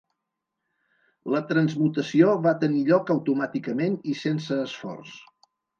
La transmutació va tenir lloc automàticament i sense esforç.